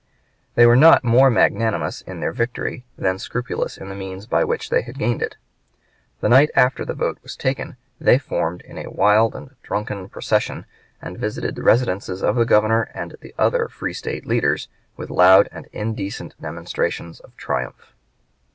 They were not more magnanimous in their victory than scrupulous in the means by which they had gained it. The night after the vote was taken they formed in a wild and drunken procession, and visited the residences of the Governor and the other free State leaders, with loud and indecent demonstrations of triumph.